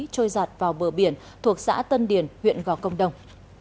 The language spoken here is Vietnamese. trôi giặt vào bờ biển thuộc xã tân điền huyện gò công đông